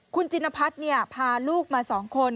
คุณจินพัฒน์พาลูกมา๒คน